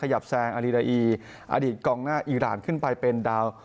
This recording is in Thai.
ยับแซงอารีราอีอดีตกองหน้าอีรานขึ้นไปเป็นดาว